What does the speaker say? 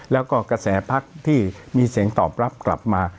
แล้วก็กระแสพักที่มีเสียงตอบรับกลับมา